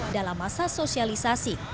dalam masa sosialisasi